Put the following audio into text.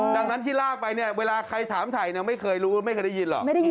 ดังนั้นที่ลากไปเนี่ยเวลาใครถามถ่ายไม่เคยรู้ไม่เคยได้ยินหรอก